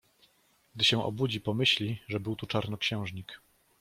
Gdy się obudzi, pomyśli, że był tu czarnoksiężnik.